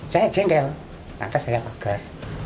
saya jengkel nanti saya agar